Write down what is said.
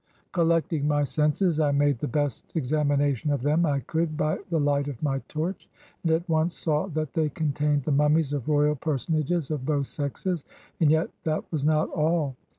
"Collecting my senses, I made the best examination of them I could by the light of my torch, and at once saw that they contained the mummies of royal person ages of both sexes; and yet that was not all.